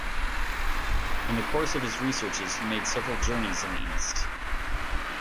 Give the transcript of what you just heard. In the course of his researches he made several journeys in the East.